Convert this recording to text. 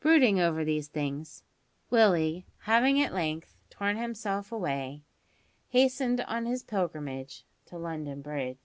Brooding over these things, Willie, having at length torn himself away, hastened on his pilgrimage to London Bridge.